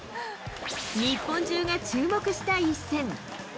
日本中が注目した一戦。